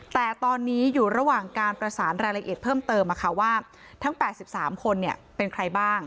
แต่ตอนนี้อยู่ระหว่างการประสานรายละเอียดเพิ่มเติมอ่ะค่ะว่าทั้งแปดสิบสามคนเนี้ยเป็นใครบ้าง